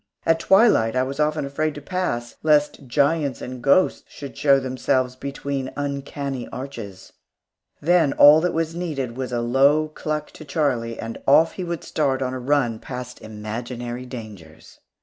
At twilight I was often afraid to pass, lest giants and ghosts should show themselves between uncanny arches. Then all that was needed was a low cluck to Charlie, and off he would start on a run past imaginary dangers.